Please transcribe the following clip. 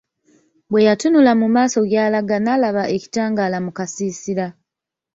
Bwe yatunula mu maaso gy'alaga n'alaba ekitangaala mu kasiisira.